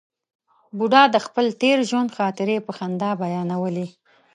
بوډا د خپل تېر ژوند خاطرې په خندا بیانولې.